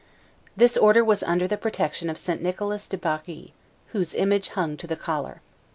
This Order was under the protection of St. Nicholas de Bari, whose image hung to the collar.